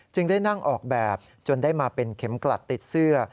ได้นั่งออกแบบจนได้มาเป็นเข็มกลัดติดเสื้อ